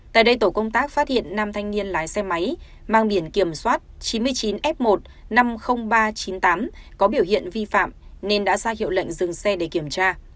tại đây tổ công tác phát hiện năm thanh niên lái xe máy mang biển kiểm soát chín mươi chín f một năm mươi nghìn ba trăm chín mươi tám có biểu hiện vi phạm nên đã ra hiệu lệnh dừng xe để kiểm tra